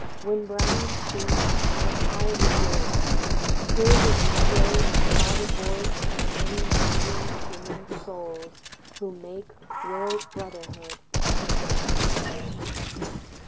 When Bryan speaks, then I rejoice. His is the strange composite voice Of many million singing souls Who make world brotherhood their choice.